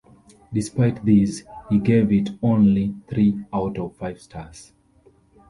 Despite this, he gave it only three out of five stars.